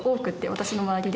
私の周りで。